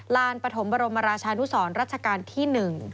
ลานปฐมบรมราชานุสรรัชกาลที่๑